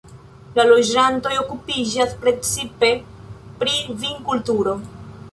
La loĝantoj okupiĝas precipe pri vinkulturo.